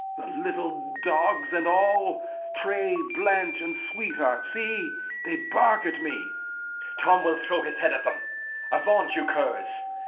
Lear. The little dogs and all, Tray, Blanch, and Sweetheart, see, they bark at me. Edg. Tom will throw his head at them. Avaunt, you curs!